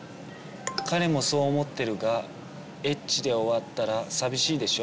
「彼もそう思ってるが、エッチで終わったら寂しいでしょ？」